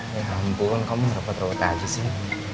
ya ampun kamu rapat rapat aja sih